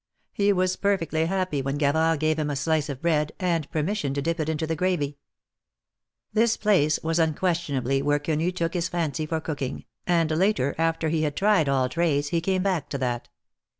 He was perfectly happy when Gavard gave him a slice of bread, and permission to dip it into the gravy. This place was unquestionably where Quenu took his fancy for cooking, and later, after he had tried all trades, he came back to that.